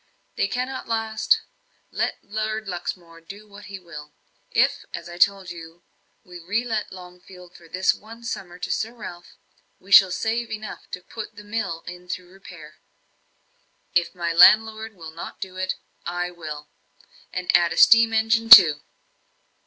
They cannot last let Lord Luxmore do what he will. If, as I told you, we re let Longfield for this one summer to Sir Ralph, we shall save enough to put the mill in thorough repair. If my landlord will not do it, I will; and add a steam engine, too."